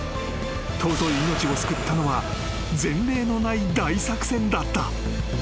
［尊い命を救ったのは前例のない大作戦だった］